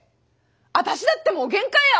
あたしだってもう限界や！